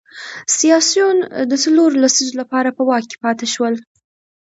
سیاسیون د څلورو لسیزو لپاره په واک کې پاتې شول.